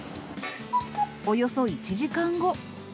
およそ１時間後。